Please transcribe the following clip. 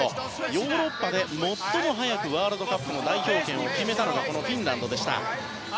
ヨーロッパで最も早くワールドカップの代表権を決めたのがこのフィンランドでした。